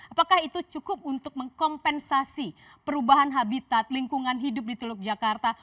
apakah itu cukup untuk mengkompensasi perubahan habitat lingkungan hidup di teluk jakarta